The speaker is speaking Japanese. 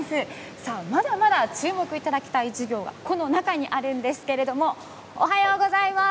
さあ、まだまだ注目いただきたい授業がこの中にあるんですけれども。おはようございます。